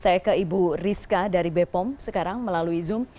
saya ke ibu rizka dari bepom sekarang melalui zoom